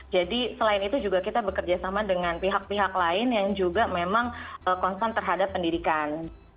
jadi selain itu juga kita bekerjasama dengan pihak pihak lain yang juga memang konsen terhadap pendidikan